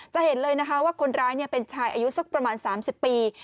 เห็นเลยนะคะว่าคนร้ายเป็นชายอายุสักประมาณ๓๐ปี